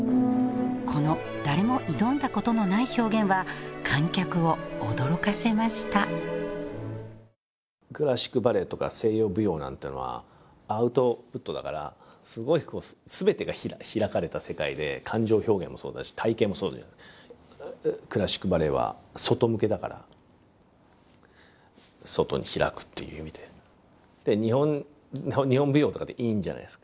この誰も挑んだことのない表現は観客を驚かせましたクラシックバレエとか西洋舞踊なんていうのはアウトプットだからすごい全てが開かれた世界で感情表現もそうだし体形もそうじゃないクラシックバレエは外向けだから外に開くっていう意味でで日本舞踊とかってインじゃないす